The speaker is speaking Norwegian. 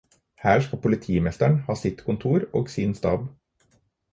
Her skal politimesteren ha sitt kontor og sin stab.